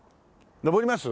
上ります？